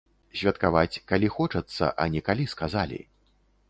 Святкаваць, калі хочацца, а не калі сказалі.